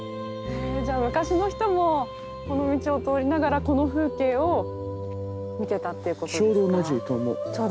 じゃあ昔の人もこの道を通りながらこの風景を見てたっていうことですか？